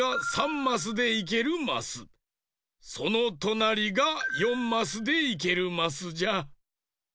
そのとなりが４マスでいけるマスじゃ。